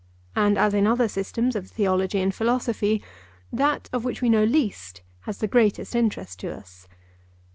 And as in other systems of theology and philosophy, that of which we know least has the greatest interest to us.